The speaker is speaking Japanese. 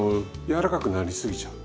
柔らかくなりすぎちゃう。